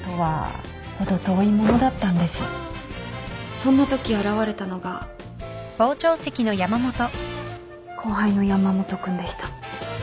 そんなとき現れたのが後輩の山本君でした。